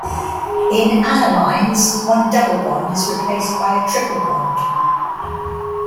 In annulynes, one double bond is replaced by a triple bond.